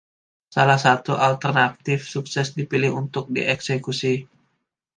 Salah satu alternatif sukses dipilih untuk dieksekusi.